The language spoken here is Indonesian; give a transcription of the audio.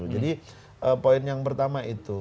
jadi poin yang pertama itu